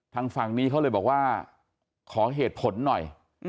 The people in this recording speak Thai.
ทางฝั่งนี้เขาเลยบอกว่าขอเหตุผลหน่อย